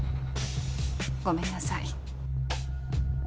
ごめんなさい。